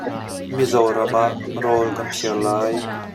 Mizoram ah rawl kan phiar lai.